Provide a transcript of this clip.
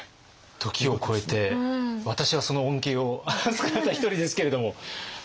時を超えて私はその恩恵をあずかった一人ですけれども。